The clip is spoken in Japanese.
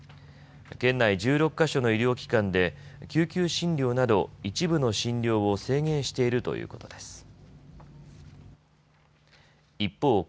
県内１６か所の医療機関で救急診療など一部の診療を制限しているということです。